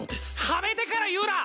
はめてから言うな！